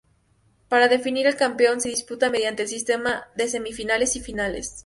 Para definir el campeón se disputa mediante el sistema de semifinales y finales.